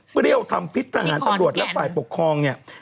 เปรี้ยวทำพิทธิศการตรวจและฝ่ายปกครอง